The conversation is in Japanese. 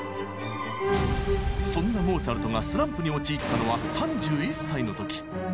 そんなモーツァルトがスランプに陥ったのは３１歳の時。